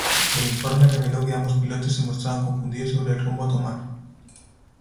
El informe reveló que ambos pilotos se mostraron confundidos sobre el rumbo a tomar.